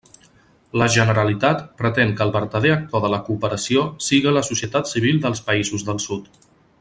La Generalitat pretén que el vertader actor de la cooperació siga la societat civil dels països del Sud.